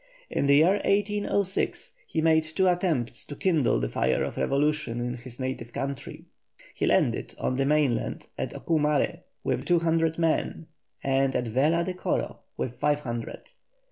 In the year 1806 he made two attempts to kindle the fire of revolution in his native country. He landed on the mainland at Ocumare with two hundred men, and at Vela de Coro with five hundred.